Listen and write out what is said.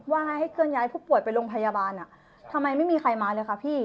ว่าให้เกินย้ายพวกป่วยไปโรงพยาบาลอ่ะทำไมไม่มีใครมาเลยคะพี่